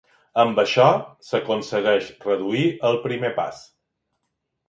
Amb això s'aconsegueix reduir el primer pas.